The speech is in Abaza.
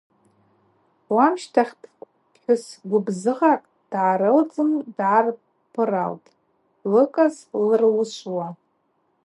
Уамщтахьы пхӏвыс гвыбзыгъакӏ дгӏарылцӏын дгӏарпыралтӏ, лыкӏас лыруышвуа.